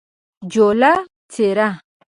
جوله : څیره